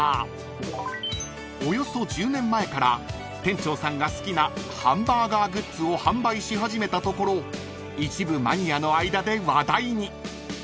［およそ１０年前から店長さんが好きなハンバーガーグッズを販売し始めたところ一部マニアの間で話題に］